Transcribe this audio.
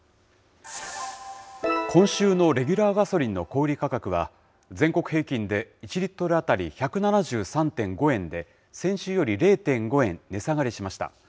今週のレギュラーガソリンの小売り価格は、全国平均で１リットル当たり１７３．５円で、先週より０．５円、値下がりしました。